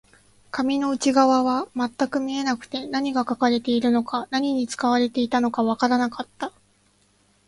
紙の内側は全く見えなくて、何が書かれているのか、何に使われていたのかわからなかった